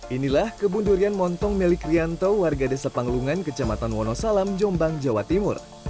inilah kebun durian montong milik rianto warga desa panglungan kecamatan wonosalam jombang jawa timur